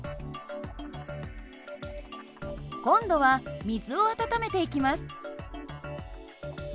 今度は水を温めていきます。